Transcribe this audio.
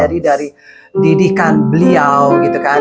jadi dari didikan beliau gitu kan